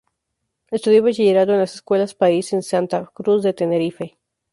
Estudió Bachillerato en las Escuelas Pías en Santa Cruz de Tenerife.